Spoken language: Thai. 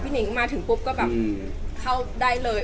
พี่นิ่งมาถึงปุ๊บก็เข้าได้เลย